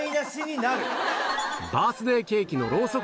バースデーケーキのうわ！